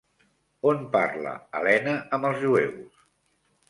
On parla Helena amb els jueus?